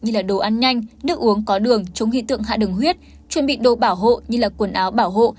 như là đồ ăn nhanh nước uống có đường chống hy tượng hạ đường huyết chuẩn bị đồ bảo hộ như là quần áo bảo hộ